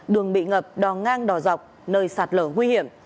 đường bị ngập đò ngang đò dọc nơi sạt lở nguy hiểm